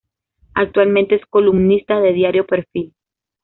Actualmente, es columnista de Diario Perfil.